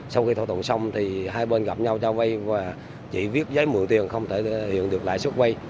sau khi thỏa thuận xong thì hai bên gặp nhau cho vay và chỉ viết giấy mượn tiền không thể hiện được lãi suất vay